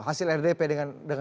hasil rdp dengan